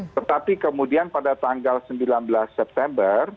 tetapi kemudian pada tanggal sembilan belas september dua ribu sembilan belas